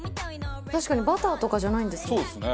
確かにバターとかじゃないんですね。